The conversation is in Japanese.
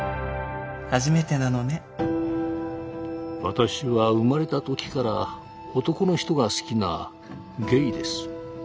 私は生まれた時から男の人が好きなゲイです。